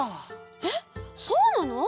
えっそうなの？